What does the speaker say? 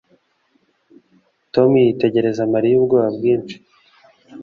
Tom yitegereza Mariya ubwoba bwinshi